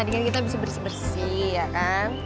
dengan kita bisa bersih bersih ya kan